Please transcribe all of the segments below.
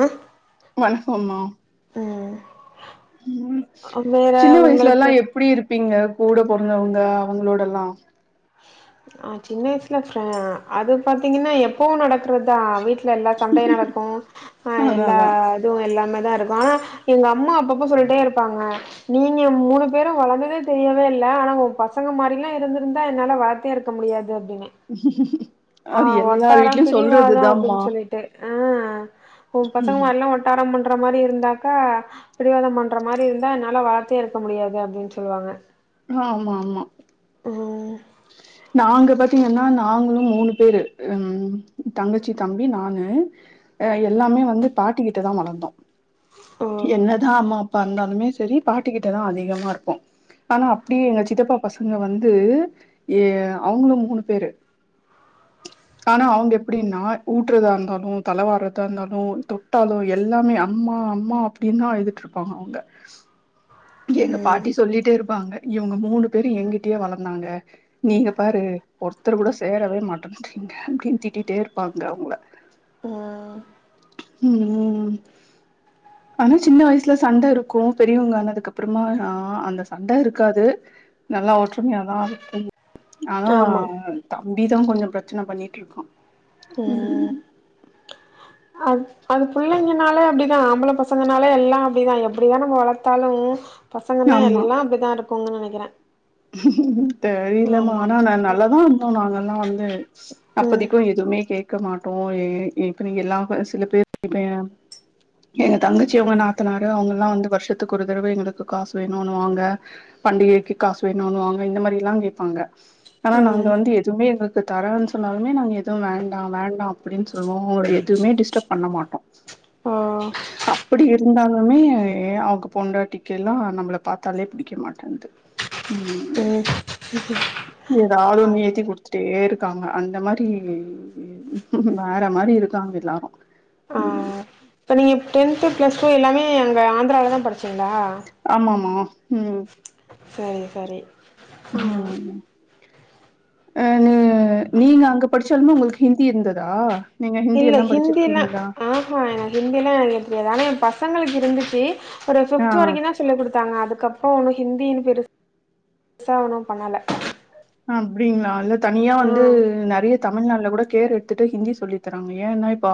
ஆ one [unintelligible] ம் வேற சின்ன வயசுலல்லா உங்களுக்கு எப்டி இருப் பீங்க கூட பொறந்தவங்க அவ்ங்களோட எல்லா நா சின்ன வயசுல ஃப்ர அது பாத்தீங்கனா எப்பவு நடக்றதா வீட் வீட்ல எல்லா சண்டையு நடக்கு ஆ அதா எல்லா அதா இதுவு எல்லாமே தா இருக்கு ஆனா எங்க அம்மா அப்பப்ப சொல்லிட்டே இருப்பாங்க நீங்க மூணு பேரு வளந்ததே தெரியவே இல்ல ஆனா ஒ பசங்க மாரிலா இருந்துருந்தா என்னால வளத் தே இருக்க முடியாது அப்டின்னு ஆ அது எல்லார் வீட்லயு சொல்றதுதாம்மா ட்டு ஆ ஒ பசங்க ம் மாரில்லா ஒட்டாரம் பண்ற மாரி இருந்தாக்கா பிடிவாதம் பண்ற மாரி இருந்தா என்னால வளத்தே இருக்க முடியாது அப்டின்னு சொல்லுவாங்க ஆ ஆமா ஆமா ஓ நாங்க பாத்தீங்கன்னா நாங்களு மூணு பேரு ம் தங்கச்சி தம்பி நானு ஆ எல்லாமே வந்து பாட்டிக்கிட்ட தா வளந்தோ ம் என்னதா அம்மா ப்ப வந்தாலுமே செரி பாட்டிக்கிட்டதா அதிகமா இருப்போ ஆனா அப்டியே எங்க சித்தப்பா பசங்க வந்து ஏ அவங்களு மூணு பேரு ஆனா அவுங்க எப்டின்னா ஊட்டுறதா இருந்தாலு தலைவாறுறதா இருந்தாலு தொட்டாலோ எல்லாமே அம்மா அம்மா அப்டின்னு அழுதுட்டுருப்பாங்க அவங்க எங்க ம் பாட்டி சொல்லிட்டே இருப்பாங்க இவுங்க மூணு பேரு எங்கிட்டயே வளந்தாங்க நீங்க பாரு ஒருத்தர் கூட சேரவே மாட்டன்றீங்க அப்டின்னு திட்டிட்டே இருப்பாங்க அவுங்கள ம் ம் ஆனா சின்ன வயசுல சண்ட இருக்கு பெரியவங்க ஆனதுக்கு அப்பறமா ஆ அந்த சண்ட இருக்காது நல்லா ஒற்றுமையாதா இருக்கும் ஆனா ஆமா தம்பிதா கொஞ்சோ பிரச்சன பண்ணிட்டுருக்கா ம் அது அது பிள்ளைங்கனாலே அப்டிதா ஆம்பள பசங்கனாலே எல்லா அப்டிதா எப்டிதா நம்ம வளத்தாலு பசங்கன்னா ஆமா. எல்லா அப்டிதா இருக்குங்கன்னு நெனைக்கிறே தெரியலமா ஆமா ஆனா நா நல்லதா இருந்தோ நாங்கல்லா வந்து ம் அப்பதைக்கு எதுவுமே கேக்க மாட்டோ இப்ப நீங்க எல்லா சில பேர் இப்ப எங்க தங்கச்சியோட நாத்தனாரு அவுங்கல்லா வந்து வருஷத்துக்கு ஒரு தரவ எங்களுக்கு காசு வேணுன்னுவாங்க பண்டிகைக்கு காசு வேணுன்வாங்க இந்த மாரி எல்லா கேப்பாங்க ஆனா நாங்க ம் வந்து எதுவுமே எங்க இப்ப தர்றேன்னு சொன்னாலுமே நாங்க எதுவு வேண்டா வேண்டா அப்டின்னு சொல்லுவோ அவுங்கள எதுவுமே டிஸ்டர்ப் பண்ண மாட்டோ ஆ அப்டி இருந்தாலுமே அவுங்க பொண்டாட்டிக்கெல்லா நம்மள பாத்தாலே பிடிக்க மாட்டேன்து ம் ஏதாது ஆ ஒண்ணு ஏத்தி குடுத்து ட்டே இருக்காங்க அந்த மாரி வேற மாரி இருக்காங்க எல்லாரு ஆ ம் இப்ப நீங்க டென்த் பிளஸ் டூ எல்லாமே அங்க ஆந்திராலதா படிச் சீங்களா ஆமாம்மா ம் சரி சரி ஆ ம் ஆ நீங்க நீங்க அங்க படிச்சாலுமே உங்களுக்கு ஹிந்தி இருந்ததா நீங்க ஹிந்தி இல்ல எல்லா ஹிந்தில்லா படிச்சிருக்கீங்களா அ அ நா ஹிந்தி எல்லா எனக்கு தெரியாது ஆனா ஏ பசங்களுக்கு இருந்துச்சி ஒரு ஆ ஃபிஃப்த் வரைக்குந்தா சொல்லிக் குடுத்தாங்க அதுக்கப்பறோ ஒன்னு ஹிந்தின்னு பெருசா ஒன்னு பண்ணல அப்டிங்களா இல்ல தனியா ஆ வந்து நெறைய தப் தமிழ்நாட்டுல கூட கேர் எடுத்துட்டு ஹிந்தி சொல்லி தர்றாங்க ஏன்னா இப்ப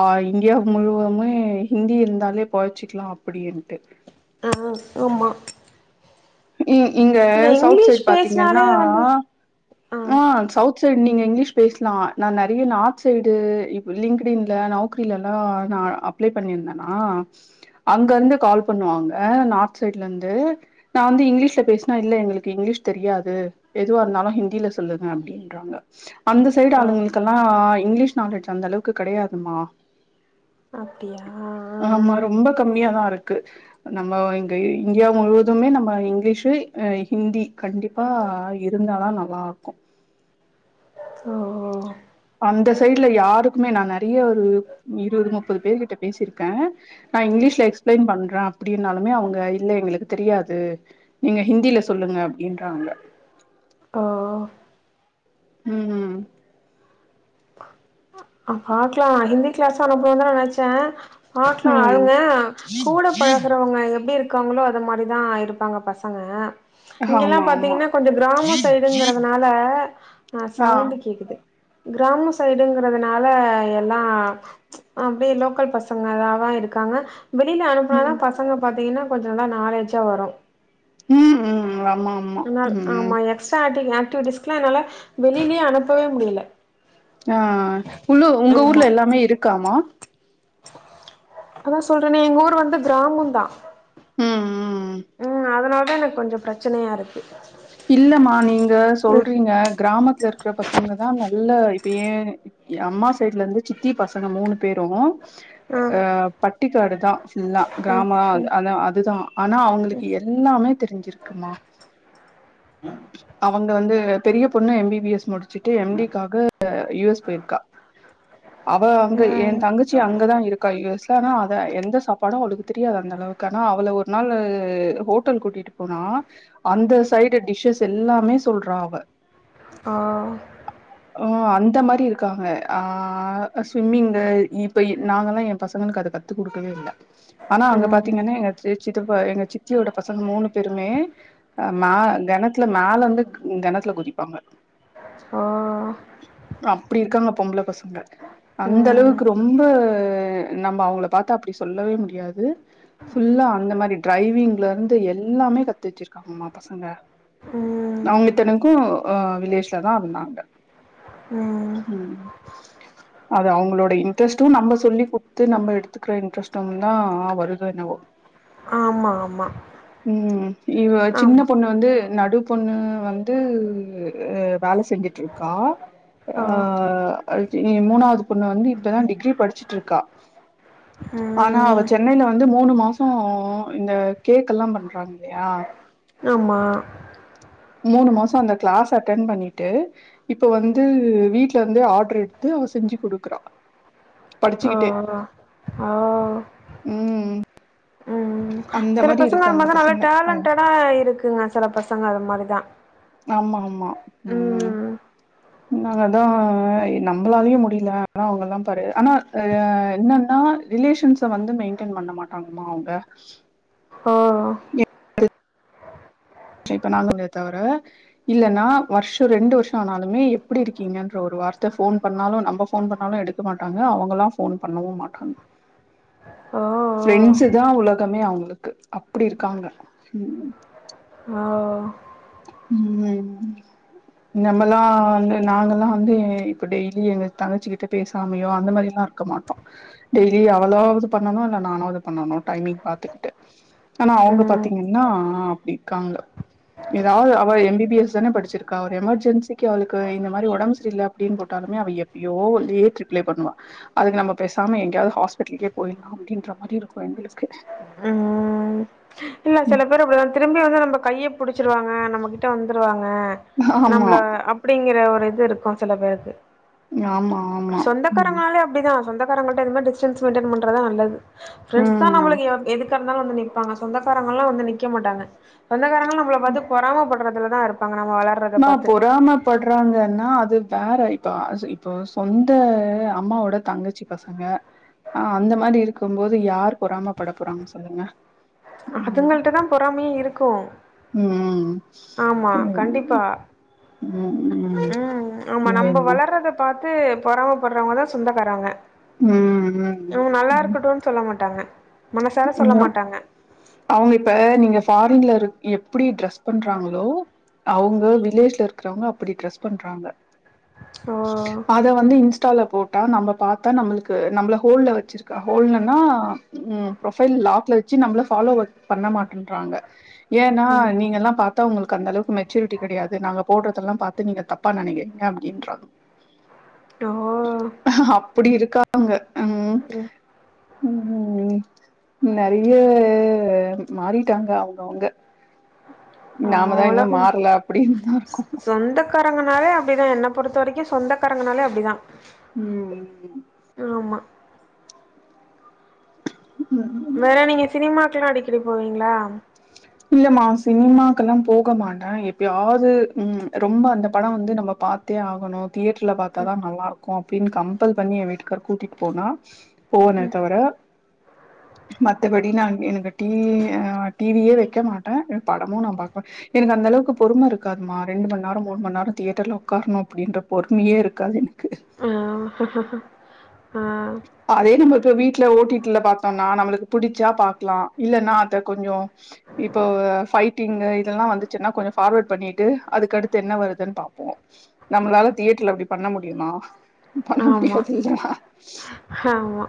ஆ இந்தியா முழுவதுமே ஹிந்தி இருந்தாலே பொழச்சிக்கலா அப்டின்ட்டு ஆ ஆமா ம் இங்க இல்ல சவுத் இங்கிலீஷ் சைட் பேசினாலே பாத்தீங்கன்னா வந்து ஆ சவுத் சைடு நீங்க இங்கிலீஷ் பேசலா நா நெறையா நார்த் சைடு லிங்டுடின்ல நவ்க்கரிலல்லா நா அப்ளே பண்ணிருந்தேனா அங்க இருந்து கால் பண்ணுவாங்க நார்த் சைட்ல இருந்து நா வந்து இங்கிலீஷ்ல பேசுனா இல்ல எங்களுக்கு இங்கிலீஷ் தெரியாது எதுவா இருந்தாலு ஹிந்தில சொல்லுங்க அப்டின்றாங்க அந்த சைடு ஓ ஆளுங்கக்கெல்லா இங்கிலீஷ் நாலேஜ் அந்த அளவுக்கு கெடையாதும்மா அப்டியா ஆ ஆமா ரொம்ப கம்மியாதா இருக்கு நம்ம இங்க இந்தியா முழுவதுமே நம் ம இங்கிலீஷ் ஆ ஹிந்தி கண்டிப்பா இருந்தாதா நல்லாருக்கு ஓ அந்த சைட்ல யாருக்குமே நா நறிய ஒரு இருவது முப்பது பேர் கிட்ட பேசிர்க்கே நா இங்கிலீஷ்ல எக்ஸ்பிளைன் பண்றே அப்டின்னாலுமே அவுங்க இல்லை எங்ளுக்கு தெரியாது நீங்க ஹிந்தில சொல்லுங்க அப்டின்றாங்க ஆ ம்ம் பாக்லா ஹிந்தி கிளாஸ் நா போய்ர்ந்த நா நனைச்சே பாக்லா ம் அதுங்க கூட பழக் கிறவ்ங்க எப்டி இருக்காங்ளோ அத மாரிதா இருப்பாங்க பசங்க இங்கில்லா ஆமா ஆமா பாத்தீங்னா கொஞ்ச கிராமோ சைடுங்கிறதுனால அ ஆ சவுண்டு கேக்குது கிராம சைடுங்க இர்ந்ததுனால எல்லா அப்டே லோக்கல் பசங்கலாவ இருக்காங்க வெளியில அனுப்புனாதா ம் பசங்க பாத்தீங்கினா கொஞ்சலா நாலேஜா வரு ம் ம் ஆமாம் ஆனால் ஆமா எக்ஸ்ட்ரா ஆக்டி ஆக்டிவிட்டிஸ்கிலா என்னால வெளியிலியே அனுப்பவே முடியல ஆ உள்ளு உங்க ஆமா ஊர்ல எல்லாமே இருக்காமா அதா சொல்றேன எங்க ஊர் வந்து கிராமோதா ம் அதனால தா எனக் கொஞ்சோ பிரச்சனையா இருக்கு இல்லமா நீங்க ம் சொல்றீங்க கிராமத்திற்குர பசங்கதா நல்லா இப்ப ஏ எ அம்மா சைட்லர்ந்து சித்தி பசங்க மூணு பேரு ஆ அ பட்டிக்காடுதா ஃபுல்லா ம் கிராம ம் அத அதுதா ஆனா அவுங்குளுக்கு எல்லாமே தெரிஞ்சிருக்குங்க ம் அவுங்க வந்து பெரிய பொண்ணு எம் பி பி எஸ் முடிச்சுட்டு எம் டிக்காக யு எஸ் போயிருக்கா அவ அங்க எ ம் தங்கச்சி அங்கதா இருக்கா யு எஸ்ல ஆனா அத எந்த சாப்பாடு அவளுக்கு தெரியாது அந்தளவுக் கனா அவள ஒர் நாளு ஹோட்டல் கூட்டிட்டு போனா அந்த சைடு டிஷ்ஸஸ் எல்லாமே சொல்றா அவ ம் ஒ அந்த மாரி இருக்காங்க ஆ ஸ்விம்மிங்கு இப்ப நாங்கல்லா எ பசங்களுக்கு அத கத் த்து குடுக்கவே இல்ல ஆனா அங்க ம் பாத்தீங்கன்னா எங்க சி சித்தப்பா எங்க சித்தியோட பசங்க மூணு பேருமே மா கெணத்துல மேலர்ந்து கெணத்துல குதிப்பாங்க ம் இப்ப அப்டி இருக்காங்க பொம்பிள பசங்க அந்த ம் அளவுக்கு ரொம்ப நம்ப அவுங்கிள பாத்தா அப்டி சொல்லவே முடியாது ஃபுல்லா அந்த மாரி டிரைவிங்லர்ந்து எல்லாமே கத்திட் இருக்காங்கம்மா பசங்க ம் அவுங்க இத்தனக்கு அ வில்லேஷ்ல தா இர்தாங்க ம் ம் அது அவுங்களோடை இன்ட்ரெஸ்டு நம்ப சொல்லி குட்த்து நம்ப எடுத்து ஸ்கிற இன்ட்ரெஸ்ட்டாலுந்தா வருதோ என்னவோ ஆமா ஆமா ம் இவ ஆமா முன்ன வந்து நடு பொண்ணு வந்து வேல செஞ்சுட்ருக்கா ஓ ஆ அட்தினி மூணாவ்து பொண்ணு வந்து இப்பதா டிகிரி படிச்சுட்ருக்கா ஆனா அவ ம் சென்னையில வந்து மூணு மாசோ இந்த கேக்கெல்லா பண்றாங் இல்லியா ஆமா மூணு மாச அந்த கிளாஸ் அட்டென் பண்ணிட்டு இப்ப வந்து வீட்ல இருந்து ஆர்டர் எடுத்து அவ செஞ்சு கொடுக்குறா ஆ படிச்சுக்கிட்டே ஆ ம் ம் அந்த செல பசங்க அது இருக்காங்க மாரி நல்லா பசங்க டேலண்ட்டடா இருக்குங்க செல பசங்க அது மாரிதா ஆமா ஆமா ம் நாங்க அதா நம்பளாலயு முடியல ஆனா அவங்கள்லா பாரு ஆனா ஆ என்னன்னா ரிலேஷன்ஸ வந்து மெயின்டென் பண்ண மாட்டாங்கம்மா அவுங்க ஓ [unintelligible] ஆளுங்கள தவிர இல்லன்னா வருஷ ரெண்டு வருஷ ஆனாலுமே எப்டி இருக்கீங்கன்ற ஒரு வார்த்த ஃபோன் பண்ணாலு நம்ப ஃபோன் பண்ணாலு எடு க்க மாட்டாங்க அவுங்களா ஃபோன் பண்ணவு மாட்டாங்க ஓ ஃப்ரெண்ட்ஸு தா உலகமே அவுங்களுக்கு அப்டி இருக்காங்க ஆ ம் நம்மள்லா வந்து நாங்கள்லா வந்து இப்போ டெய்லி எங்க தங்கச்சிக்கிட்ட பேசாமையோ அந்த மாரில்லா இரு க்க மாட்டோ டெய்லி அவளாவது பண்ணனு இல்ல நானாவது பண்ணனு டைமிங் பாத்துக்கிட்டு ஆனா அவுங்க ம் பாத்தீங்கன்னா அப்டி இருக்காங்க ஏதாவது அவ எம் பி பி எஸ் தானே படிச்சிருக்கா ஒரு எமர்ஜென்சிக்கு அவளுக்கு இந்த மாரி ஒடம்பு சரியல்ல அப்டின்னு போட்டாலுமே அவ எப் யோ லேட் ரிப்ளை பண்ணுவா அதுக்கு நம்ப பேசாம எங்கயாது ஹாஸ்பிட்டலுக்கே போயிட்லா அப்டின்ற மாரி இருக்கு எங்களுக்கு ம் இல்ல சில பேர் அப்டிதா திரும்பி வந்து நம்ம கைய புடிச்சிருவாங்க நம்மக்கிட்ட வந்துருவாங்க ஆமா நம்பள அப்டிங்கிற ஒரு இது இருக்கும் சில பேருக்கு ஆமா ஆமா ம் சொந்தக்காரங்கனாலே அப்டிதா சொந்தக்காரங்கள்ட்ட இது மாரி டிஸ்டன்ஸ் மெயின்டென் பண்றதா நல்லது ஃப்ரெண்ஸ் தா ம் நம்மளுக்கு எதுக்கா இருந்தாலு வந்து நிப்பாங்க சொந்தக்காரங்கள்லா வந்து நிக்க மாட்டாங்க சொந்தக்காரங்கள்லா நம்மள பாத்து பொறாமப்பட்றதுலதா இருப்பாங்க நம்ம வளர் நா பொறாம பட்றாங்கன்னா அது வேற இப்ப ச இப்போ சொந்த அம்மாவோட தங்கச்சி பசங்க ஆ அந்த மாரி இருக்கும் போது யார் பொறாமப்பட போறாங்க சொல்லுங்க ம் அதுங்கள்ட்ட தா பொறாமையே இருக்கும் ம் ஆமா கண்டிப்பா ம் ஆமா ம் நம்ம என்ன வளர்றத பாத்து பொறாமப்படுறவங்கதா சொந்தக்காரங்க ம் ம் நம்ம நல்லா ம் இருக்கட்டுனு சொல்ல மாட்டாங்க மனசார சொல்ல அதா மாட்டாங்க அவங்க இப்ப நீங்க ஃபாரின்ல இரு எப்படி டிரெஸ் பண்றாங்களோ அவங்க வில்லேஜ்ல இருக்கறவங்க அப்டி ட்ரெஸ் பண்றாங்க ஓ அத வந்து இன்ஸ்டால போட்டா நம்ம பாத்தா நம்பளுக்கு நம்மள ஹோல்ல வச்சு ருக்கா ஹோல்லன்னா ம் ப்ரொஃபைல் லாக்ல வச்சு நம்பள ஃபாலோவர் பண்ண மாட்டேன்றாங்க ஏன்னா ம் நீங்கள்லா பாத் தா உங்களுக்கு அந்தளவுக்கு மெச்சுரிட்டி கிடையாது நாங்க போடுறதெல்லாம் பாத்து நீங்க தப்பா நினைக்கிறீங்க அப்படின்றா ஓ அப்டி இருக்காங்க உம் ம் நறைய மாறிட்டாங்க அவங்கவுங்க ஆமா நாமதான் இன்னும் மாறல அப்படின்னுதான் இருக்கும் க்காரங்கனாலே அப்படிதான் என்னை பொறுத்த வரைக்கும் சொந்தக்காரங்கனாலே அப்படிதான் உம் ஆமா ம் வேற நீங்க சினிமாக்கல்லாம் அடிக்கடி போவீங்களா இல்லமா சினிமாக்கெல்லாம் போக மாட்டேன் எப்பயாவது உம் ரொம்ப அந்த படம் வந்து நம்ப பாத் தே ஆகணும் தியேட்டர்ல பாத்தாதான் நல்லா இருக்கும் அப்படின்னு கம்பல் பண்ணி எ வீட்டு்கார் கூட்டிட்டு போனா போன தவிர மத்தபடி நான் எனக்கு டிவி டிவே வ க மாட்ட படமும் நான் ம எனக்கு அந்தளவுக்கு பொறும இருக்காதுமா ரெண்டுமண் நேரம் மூணுமண் நேரம் த தேட்டர்ல உக்காரணும் அப்படின்ற பொறுமையே இருக்காது எனக்கு ஆ ஆ அதே நம்ம இப்ப வீட்டுல ஓட்டிட்டுல பார்த்தோம்னா நம்மளுக்கு புடிச்சா பாக்கலாம் இல்லன்னா அத கொஞ்சோ இப்போ பைட்டிங் இதெல்லாம் வந்துச்சுன்னா கொஞ்சோ பார்வர்ட் பண்ணிட்டு அதுக்கு அடுத்து என்ன வருதுன்னு பா நம்மளால தியேட்டர்ல அப்டி பண்ண முடியுமா பண்ண முடியாது இல்லா ஹமா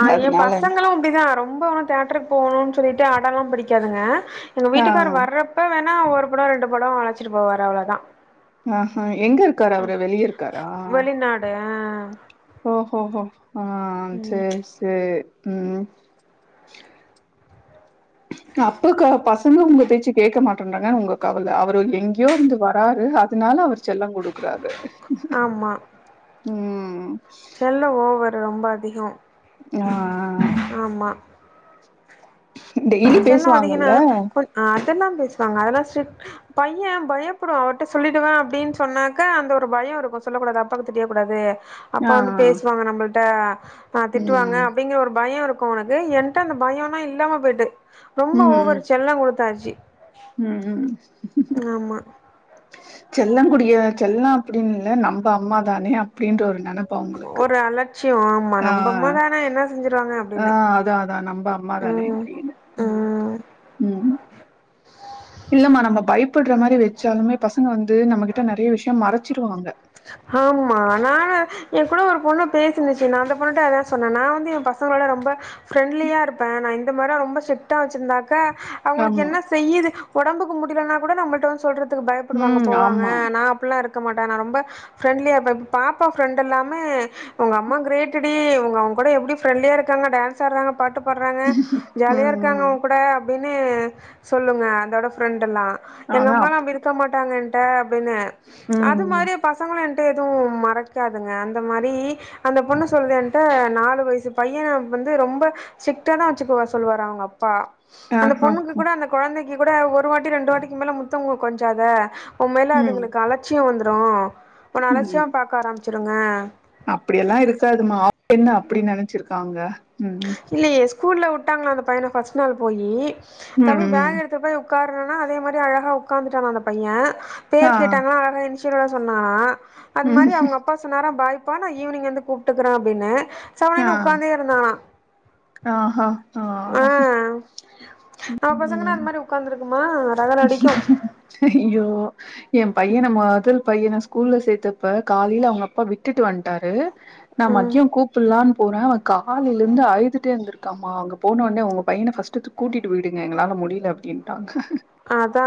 ஆ ஏன் அதனால பசங்களும் அப்டிதான் ரொம்ப அவன தேட்டருக்கு போகணும்ன்னனு சொல்லிட்டு ஆட எல்லாம் படிக்காதுங்க எங்க ஆ வீட்டுக்கார் வரப்ப வேணா ஒரு படோ ரெண்டு படோ அழசிட்டு போவாரு அவ்வளோ தான் ஆ ஹ எங்க இரு வெளிநாடு ஆ ஓ ஹோ ஹோ ஆ ம் செரி செரி ம் அப்ப க பசங்க உங்க பேச்சு கேட்க மாட்டேன்றறாங்கன்னு உங்க கவல அவரு எங்கேயோ இருந்து வராரு அதனால அவர் செல்லாம் கொடுக்குறாரு ஆமா உம் தெல்லா ஓவரு ரொம்ப அதிகம் ஆ ஆமா டெய்லி செல்லாம் அதிகோன்னா பேசுவாங்கல்ல கொ அதெல்லாம் பேசுவாங்க அதெல்லாம் பையன் பயப்படும் அவர்கிட்ட சொல்லிடுவேன் அப்படின்னு சொன்னாக்க அந்த ஒரு பயம் இருக்கும் சொல்லக்கூடாதுா பக்கு தெரிய கூடாது அப்பா ஆ வந்து பேசுவாங்க நம்பல்ட்ட திட்டுவாங்க ம் அப்படிங்கற ஒரு பயம் இருக் கு உனக்கு என்ட்ட அந்த பயம்னா இல்லாம போயிட்டு ரொம்ப ஓவொரு செல்லம் கொடுத்தாச்சு உம் ம் ஆமா செல்ல கூடிய செல்லாம் அப்படின்னுல்ல நம்ப அம்மா தானே அப்படின்ற ஒரு நனப்பு பு அவுங்களுக்கு ஒரு அலட்சியோ ஆமா ஆ நம்பம்மா ஆ தான என்ன செஞ்சிருவாங்க ஆ அப்டின்னு ஆ அதான் அதான் நம்ப அம்மா தானே ம் அப்படின்னு உம் ம் உம் இல்லம்மா நம்ம பயப்படுற மாரி வச்சாலுமே பசங்க வந்து நம்ம கிட்ட நறைய விஷயம் மறைச்சிருவாங்க ஹமா அனா என் கூட ஒரு பொண்ணு பேசுந்துச்சு நான் அந்த பொண்ணுட்ட அதான் சொன்னேன் நான் வந்து என் பசங்களோட ரொம்ப ஃரெண்ட்லியா இருப்பேன் நான் இந்த மாரிலா ரொம்ப ஸ்ட்டா வச்சிருந்தாக்க அவங்களுக்கு ஆமா என்ன செய்யுது உடம்புக்கு முடியலனா கூட நம்ம வந்து சொல்றது க்கு பயப்படுவாங்க ம் போவாங்க ஆமா நான் அப்படல்லாம் இருக்க மாட்டேன் நான் ரொம்ப ஃப்ரெண்ட்லியா இருப்ப இப்ப பாப்பா ஃப்ரெண்ட் எல்லாமே உங்க அம்மா கிரேடடி அவங்க கூட எப்படி பிரரெண்ட்லியா இருக்காங்க டான்றாங்க பாட்டு பட்றாங்க ஜாலியா ம் இருக்காங்க ம் அவுங் கூட அப்டின்னு சொல்லுங்க அதோட ஃப்ரெண்ட் எல்லா எங்க ஆனா அம்மாலா அப் அப்டி இருக்க மாட்டாங்க என்ட்ட அப்டின்னு ம் அது ம் மாரி பசங்ளு என்ட்ட எதுவு மறைக்காதுங்க அந்த மாரி அந்த பொண்ணு சொல்து என்ட்ட நாலு வயசு பையன வந்து ரொம்ப சிக்டாதா வச்சுக்குவார் சொல்லுவாரா அவுங்க அப்பா ஆ அந்த ஹா பொண்ணுக்கு கூட அந்த கொழந்தைக்கு கூட ஒரு வாட்டி ரெண்டு வாட்டிக்கு மேல முத்துங் கொஞ்சாத உன் மேல ம் அதுங்களுக்கு அலட்சிய வந்துடு உன்ன அலட்சிய பார்கக்க ஆரம்பிச்சிருங்க அப்டியெல்லா இருக்காதுமா அவுங்க என்ன அப்டி நெனச்சிருக்காங்க ம் ஸ்கூல்ல உட்டாங்ளா அந்த பையன ஃபஸ்ட் நாள் போயி தம்பி பேக் எடுத்து போய் உட்கார்றான்னா அதே மாரி அழகா உட்காந்துடனா அந்த பைய பேர் கேட்டங்ளா அழக எஞ் [unintelligible] சொன்னானா அது மாரி அவுங்க அப்பா சொன்னாரா பாய்ப்பா நா ஈவினிங் வந்து கூப்ட்டுக்குற அப்டின்னு செவனேன் உக்காந்தே இருந்தானா ஆஹ ஆ நம் பசங்கன்னா அந்த மாரி உட்காந்துருக்குமா ரகளடிக்கு ஐயோ என் பையன மொதல் பையன ஸ் கூல்ல சேர்த்தப்ப காலையில அவுங்க அப்பா விட்டுட்டு வந்ட்டாரு நா ம் மத்யோ கூப்பல்லான்னு போற காலையில இருந்து அலுதுட்டே இருந்துருக் கம்மா அங்க போனோனே உங்க பையன ஃபஸ்ட்டு கூட்டிட்டு போயிடுங்க எங்களால முடியல அப்டின்ட்டாங்க அதா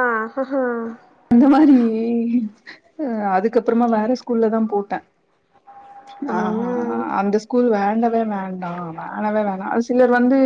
அந்த மாதிரி அ அதுக்கப்புறமா வேற ஸ்கூல்ல தா போட்ட ஆ ம் அந்த ஸ்கூல் வேண்டவே வேண்டா வேணவே வேணா அது சிலர் வந்து